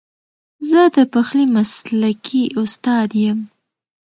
زه د پخلي مسلکي استاد یم